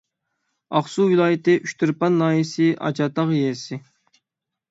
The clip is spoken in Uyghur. ئاقسۇ ۋىلايىتى ئۇچتۇرپان ناھىيەسى ئاچاتاغ يېزىسى